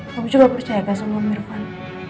kamu juga percaya sama irfan